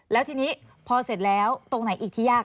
แล้วทีนี้พอเสร็จแล้วตรงไหนอีกที่ยาก